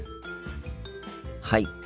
はい。